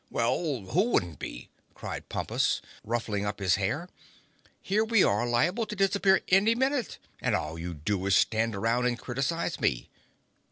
"Well, who wouldn't be!" cried Pompus, ruffling up his hair. "Here we are liable to disappear any minute and all you do is to stand around and criticize me.